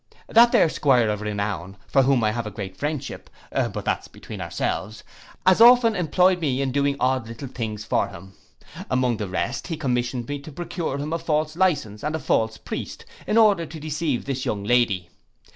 That there 'Squire of renown, for whom I have a great friendship, but that's between ourselves, as often employed me in doing odd little things for him. Among the rest, he commissioned me to procure him a false licence and a false priest, in order to deceive this young lady.